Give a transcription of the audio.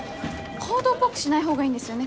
報道っぽくしない方がいいんですよね？